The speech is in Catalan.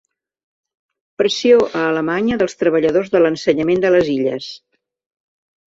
Pressió a Alemanya dels treballadors de l’ensenyament de les Illes.